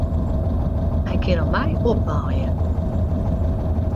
Hy kin om my opwaaie.